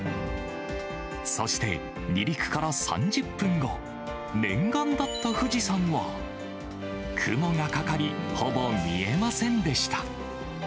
そして、離陸から３０分後、念願だった富士山は、雲がかかり、ほぼ見えませんでした。